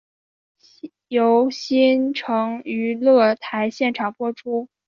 由新城娱乐台现场播出。